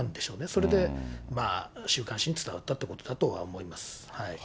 それで、週刊誌に伝わったってことだと思います。